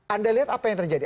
anda lihat apa yang terjadi